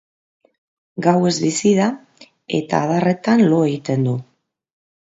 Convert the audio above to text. Gauez bizi da eta adarretan lo egiten du.